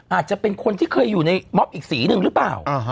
อาจจะเป็นคนที่เคยอยู่ในม็อบอีกสีหนึ่งหรือเปล่า